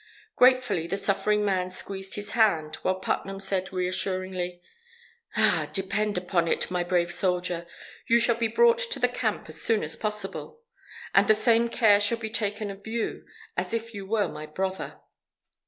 Gratefully, the suffering man squeezed his hand, while Putnam said reassuringly: "Ah! depend upon it, my brave soldier, you shall be brought to the camp as soon as possible, and the same care shall be taken of you as if you were my brother."